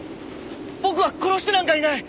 僕は殺してなんかいない。